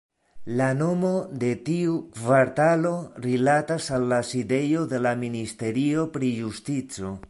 La nomo de tiu kvartalo rilatas al la sidejo de la Ministerio pri Justico.